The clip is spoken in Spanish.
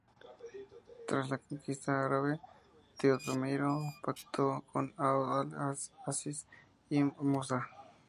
Tras la conquista árabe, Teodomiro pactó con Abd Al Aziz ibn Musa.